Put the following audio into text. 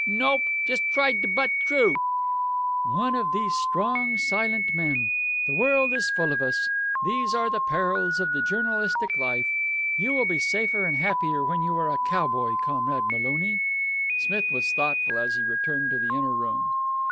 "Nope. Just tried to butt t'roo." "One of these strong, silent men. The world is full of us. These are the perils of the journalistic life. You will be safer and happier when you are a cowboy, Comrade Maloney." Smith was thoughtful as he returned to the inner room.